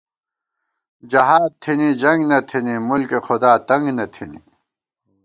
جہاد تھنی جنگ نہ تھنی، مُلکِ خداتنگ نہ تھنی